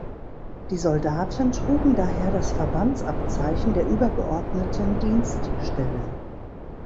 Die Soldaten trugen daher das Verbandsabzeichen der übergeordneten Dienststelle.